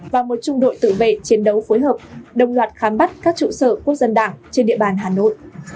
và một trung đội tự vệ chiến đấu phối hợp đồng loạt khám bắt các trụ sở quốc dân đảng trên địa bàn hà nội